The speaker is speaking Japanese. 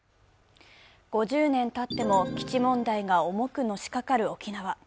５０年たっても基地問題が重くのしかかる沖縄。